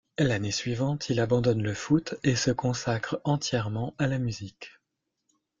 L'année suivante, il abandonne le foot et se consacre entièrement à la musique.